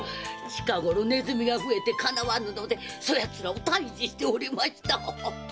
近ごろ鼠が増えてかなわぬのでそやつらを退治しておりました。